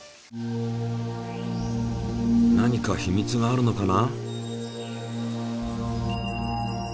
何か秘密があるのかな？